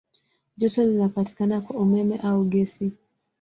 Joto linapatikana kwa umeme au gesi.